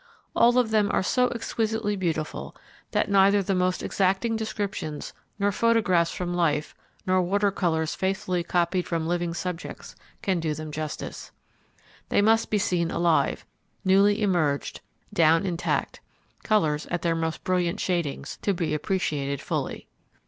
All of them are so exquisitely beautiful that neither the most exacting descriptions, nor photographs from life, nor water colours faithfully copied from living subjects can do them justice. They must be seen alive, newly emerged, down intact, colours at their most brilliant shadings, to be appreciated fully.